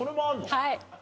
はい。